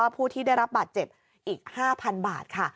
ผู้ที่ได้รับบาดเจ็บอีก๕๐๐๐บาทค่ะ